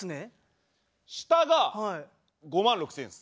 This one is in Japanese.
下が５万６，０００円です。